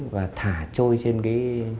và thả trôi trên cái